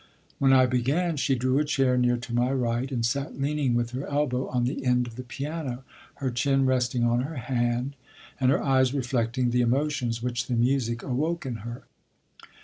When I began, she drew a chair near to my right and sat leaning with her elbow on the end of the piano, her chin resting on her hand, and her eyes reflecting the emotions which the music awoke in her.